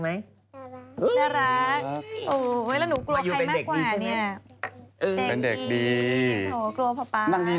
แล้วหนูกลัวใครมากกว่าเนี่ย